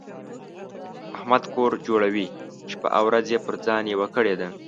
احمد کور جوړوي؛ شپه او ورځ يې پر ځان یوه کړې ده.